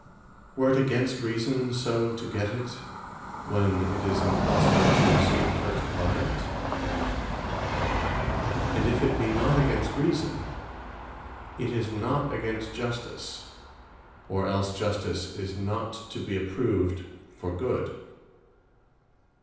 were it against Reason so to get it, when it is impossible to receive hurt by it? and if it be not against Reason, it is not against Justice; or else Justice is not to be approved for good.